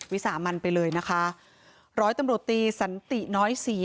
วิสามันไปเลยนะคะร้อยตำรวจตีสันติน้อยศรี